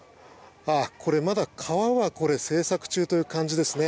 これ、まだ川は製作中という感じですね。